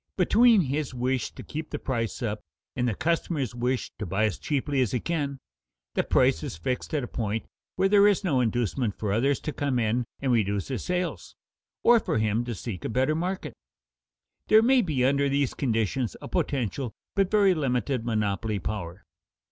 Between his wish to keep the price up, and the customer's wish to buy as cheaply as he can, the price is fixed at a point where there is no inducement for others to come in and reduce his sales, or for him to seek a better market. There may be under these conditions a potential but very limited monopoly power.